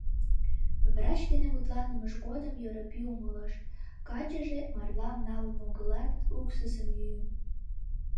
Врач дене мутланымыж гоч Йоропий умылыш: качыже марлан налын огылат, уксусым йӱын...